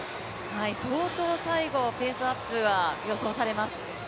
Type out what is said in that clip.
相当最後ペースアップは予想されます。